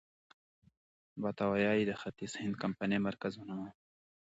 باتاویا یې د ختیځ هند کمپنۍ مرکز ونوماوه.